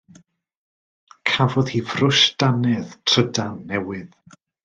Cafodd hi frwsh dannedd trydan newydd.